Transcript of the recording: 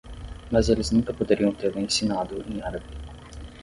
Mas eles nunca poderiam tê-lo ensinado em árabe.